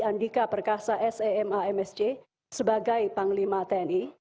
andika perkasa sema msc sebagai panglima tni